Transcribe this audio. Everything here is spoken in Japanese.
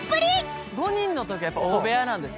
５人のときはやっぱ大部屋なんです。